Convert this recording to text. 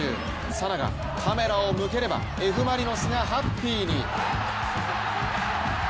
早菜がカメラを向ければＦ・マリノスがハッピーに。